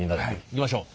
いきましょう。